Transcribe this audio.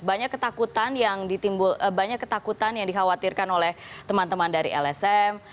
banyak ketakutan yang ditimbul banyak ketakutan yang dikhawatirkan oleh teman teman dari lsm